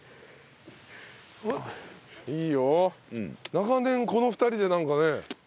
長年この２人でなんかね。